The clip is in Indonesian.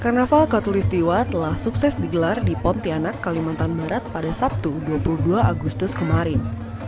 karnaval katulistiwa telah sukses digelar di pontianak kalimantan barat pada sabtu dua puluh dua agustus kemarin